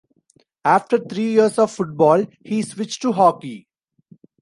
After three years of football he switched to hockey.